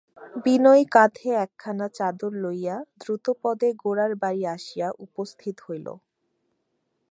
বিনয় কাঁধে একখানা চাদর লইয়া দ্রুতপদে গোরার বাড়ি আসিয়া উপস্থিত হইল।